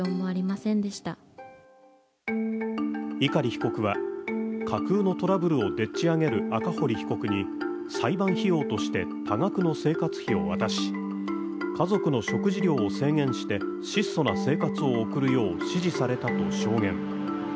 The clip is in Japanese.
碇被告は架空のトラブルをでっち上げる赤堀被告に裁判費用として多額の生活費を渡し、家族の食事量を制限して質素な生活を送るよう指示されたと証言。